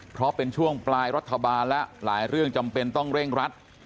เพราะเป็นช่วงปลายรัฐบาลและหลายเรื่องจำเป็นต้องเร่งรัด